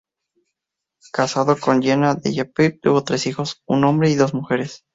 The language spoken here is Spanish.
Casado con Gerda Dellepiane, tuvo tres hijos, un hombre y dos mujeres.